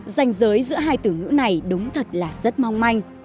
danh giới giữa hai từ ngữ này đúng thật là rất mong manh